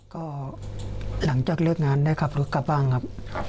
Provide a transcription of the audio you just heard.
ก็หลังจากเลิกงานได้ขับรถกลับบ้านครับ